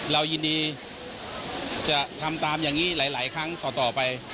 เรายินดีจะทำตามอย่างนี้หลายครั้งต่อไป